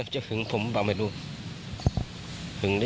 จะเอามีดมาแทงหัว